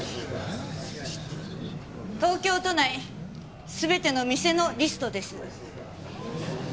東京都内全ての店のリストです。